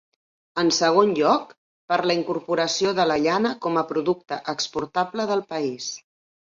En segon lloc, per la incorporació de la llana com a producte exportable del país.